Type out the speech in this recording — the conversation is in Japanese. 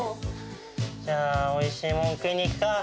じゃあおいしいもん食いに行くか！